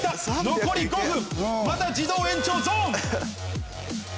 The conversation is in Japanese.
残り５分まだ自動延長ゾーン。